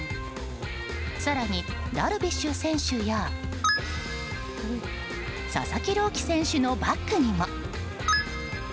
更に、ダルビッシュ選手や佐々木朗希選手のバッグにも。